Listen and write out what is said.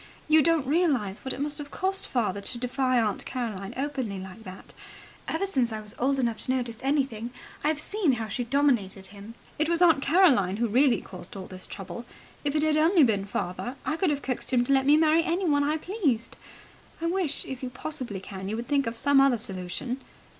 You don't realize what it must have cost father to defy Aunt Caroline openly like that. Ever since I was old enough to notice anything, I've seen how she dominated him. It was Aunt Caroline who really caused all this trouble. If it had only been father, I could have coaxed him to let me marry anyone I pleased. I wish, if you possibly can, you would think of some other solution."